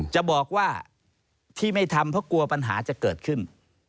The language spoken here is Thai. จะบอกว่าที่ไม่ทำเพราะกลัวปัญหาจะเกิดขึ้น